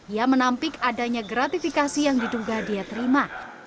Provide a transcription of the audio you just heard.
ia menampik adanya gratifikasi yang diduga dia terima